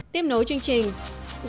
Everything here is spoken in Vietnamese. tiếp nối chương trình